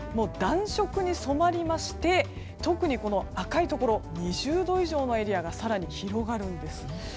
暖色に染まりまして特に赤いところ２０度以上のエリアが更に広がるんです。